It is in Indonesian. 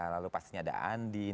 lalu pastinya ada andin